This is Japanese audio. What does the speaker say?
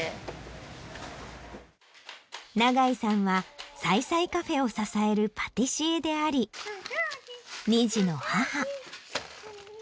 永井さんはサイサイカフェを支えるパティシエであり２児の母。